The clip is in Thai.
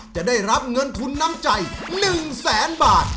จะได้รับเงินทุนน้ำใจ๑แสนบาท